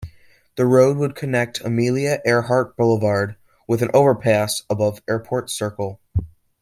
The road would connect Amelia Earhart Boulevard with an overpass above Airport Circle.